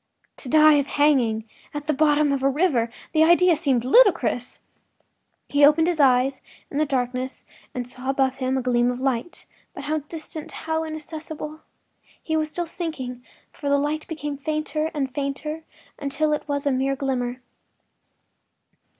To die of hanging at the bottom of a river!—the idea seemed to him ludicrous. He opened his eyes in the darkness and saw above him a gleam of light, but how distant, how inaccessible! He was still sinking, for the light became fainter and fainter until it was a mere glimmer.